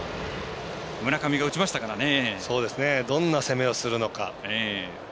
どんな攻めをするのか。